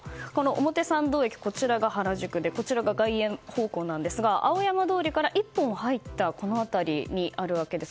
表参道駅、こちらが原宿でこちらが外苑方向で青山通りから一本入ったところにあるわけです。